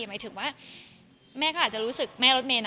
หมายถึงว่าแม่ก็อาจจะรู้สึกแม่รถเมย์